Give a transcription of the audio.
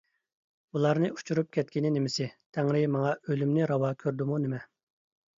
ئۇلارنى ئۇچۇرۇپ كەتكىنى نېمىسى؟ تەڭرى ماڭا ئۆلۈمنى راۋا كۆردىمۇ نېمە؟